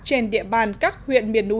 trên địa bàn các hồ